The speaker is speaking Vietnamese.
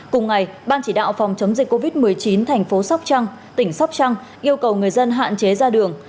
cùng ngày ban chỉ đạo phòng chống dịch covid một mươi chín thành phố sóc trăng tỉnh sóc trăng yêu cầu người dân hạn chế ra đường